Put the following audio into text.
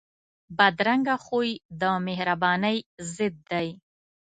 بدرنګه خوی د مهربانۍ ضد دی